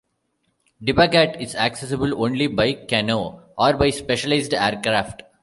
Dibagat is accessible only by canoe or by specialized aircraft.